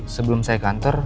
sebelum saya ke kantor